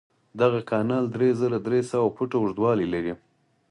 دغه کانال درې زره درې سوه فوټه اوږدوالی لري.